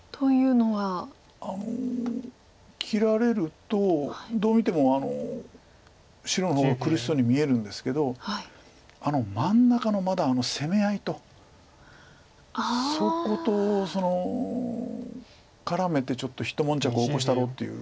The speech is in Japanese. あの切られるとどう見ても白の方が苦しそうに見えるんですけど真ん中のまだ攻め合いとそこと絡めてちょっとひと悶着起こしたろっていう。